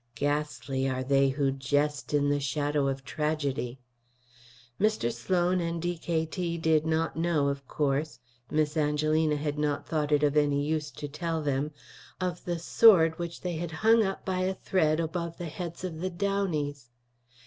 Ghastly are they who jest in the shadow of tragedy. Mr. Sloan and D.K.T. did not know, of course Miss Angelina had not thought it of any use to tell them of the sword which they had hung up by a thread above the heads of the Downeys.